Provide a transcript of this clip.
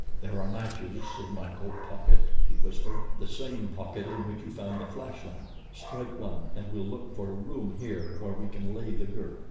"There are matches in my coat pocket," he whispered, " the same pocket in which you found the flash lamp. Strike one and we'll look for a room here where we can lay the girl."